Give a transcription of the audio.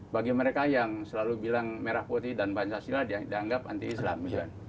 bagi mereka yang selalu bilang merah putih dan pancasila dianggap anti islam